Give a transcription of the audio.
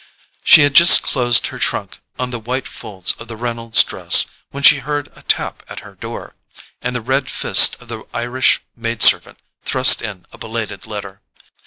She had just closed her trunk on the white folds of the Reynolds dress when she heard a tap at her door, and the red fist of the Irish maid servant thrust in a belated letter.